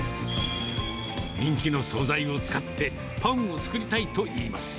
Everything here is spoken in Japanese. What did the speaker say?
人気の総菜を使って、パンを作りたいといいます。